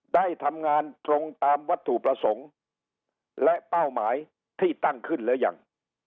ได้ทำงานตรงตามวัตถุประสงค์และเป้าหมายที่ตั้งขึ้นหรือยัง